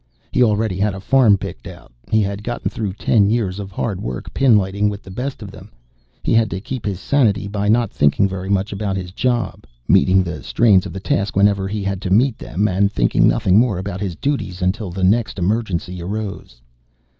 He already had a farm picked out. He had gotten through ten years of hard work pinlighting with the best of them. He had kept his sanity by not thinking very much about his job, meeting the strains of the task whenever he had to meet them and thinking nothing more about his duties until the next emergency arose.